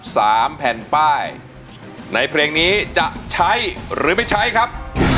สามแผ่นป้ายในเพลงนี้จะใช้หรือไม่ใช้ครับ